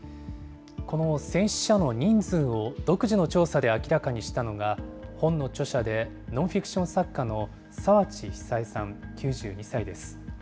この戦死者の人数を独自の調査で明らかにしたのが、本の著者でノンフィクション作家の澤地久枝さん９２歳です。